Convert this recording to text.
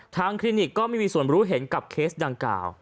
คลินิกก็ไม่มีส่วนรู้เห็นกับเคสดังกล่าว